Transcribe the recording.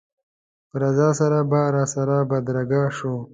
په رضا سره به راسره بدرګه شو.